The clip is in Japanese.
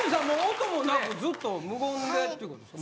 音もなくずっと無音でっていうことですか？